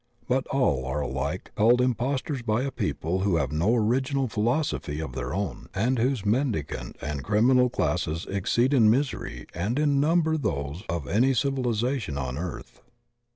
But all are aUke called impostors by a people who have no original philosophy of their own and whose men dicant and crimind classes exceed in misery and in number those of any civilization on the earth.